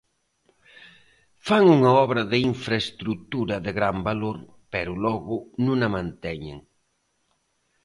Fan unha obra de infraestrutura de gran valor pero logo non o manteñen.